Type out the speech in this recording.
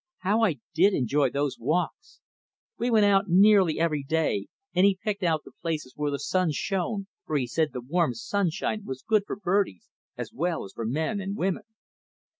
How I did enjoy those walks! We went out nearly every day, and he picked out the places where the sun shone, for he said the warm sunshine was good for birdies as well as for men and women.